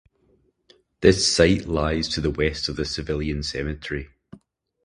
This site lies to the west of the civilian cemetery.